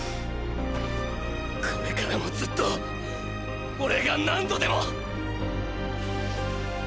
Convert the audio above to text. これからもずっとオレが何度でも。